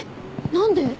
何で？